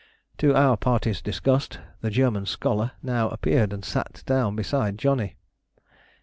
To our party's disgust the German scholar now appeared and sat down beside Johnny.